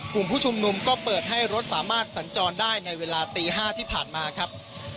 กลุ่มผู้ชุมนุมก็เปิดให้รถสามารถสัญจรได้ในเวลาตี๕ที่ผ่านมาครับ